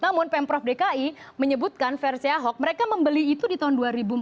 namun pemprov dki menyebutkan versi ahok mereka membeli itu di tahun dua ribu empat belas